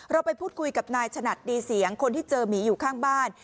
เราไปพูดคุยกับนายฉนัดดีเสียงคนที่เจอหมีอยู่ข้างบ้าน